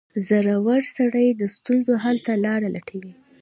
• زړور سړی د ستونزو حل ته لاره لټوي.